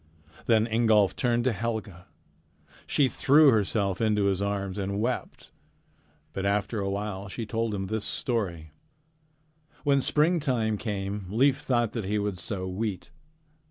Then Ingolf turned to Helga. She threw herself into his arms and wept. But after a while she told him this story: "When springtime came, Leif thought that he would sow wheat.